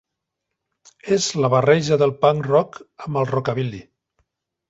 És la barreja del punk rock amb el rockabilly.